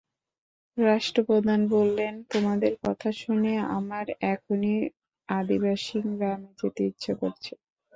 রাষ্ট্রপ্রধান বললেন, তোমাদের কথা শুনে আমার এখনই আদিবাসী গ্রামে যেতে ইচ্ছে করছে।